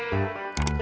nih si tati